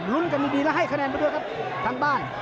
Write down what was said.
ลุ้นกันดีและให้คะแนนมาด้วยครับทางบ้าน